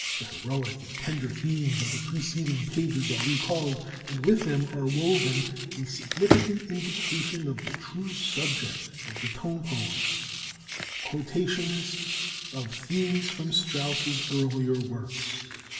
The heroic and tender themes of the preceding pages are recalled, and with them are woven (a significant indication of the true subject of the tone poem) quotations of themes from Strauss's earlier works.